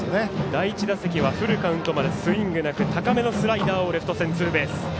第１打席はフルカウントまでスイング待って高めのスライダーをレフト線、ツーベース。